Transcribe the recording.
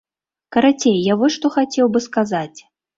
Карацей, я вось што хацеў бы сказаць.